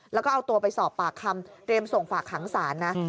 แล้วก็เอาตัวไปสอบปากคำเตรียมส่งฝากขังศาลนะ